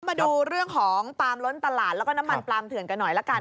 มาดูเรื่องของปลามล้นตลาดแล้วก็น้ำมันปลามเถื่อนกันหน่อยละกัน